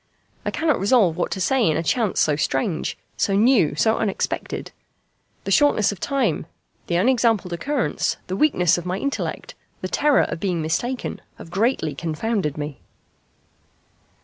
I cannot resolve what to say in a chance so strange, so new, so unexpected. The shortness of time, the unexampled occurrence, the weakness of my intellect, the terror of being mistaken, have greatly confounded me."